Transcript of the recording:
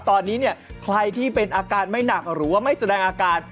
ตอนนี้เนี่ยใครที่เป็นอาการไม่หนักหรือว่าไม่แสดงอาการ